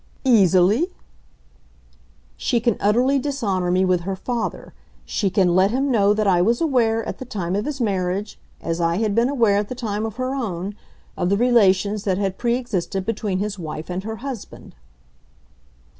"Easily?" "She can utterly dishonour me with her father. She can let him know that I was aware, at the time of his marriage as I had been aware at the time of her own of the relations that had pre existed between his wife and her husband."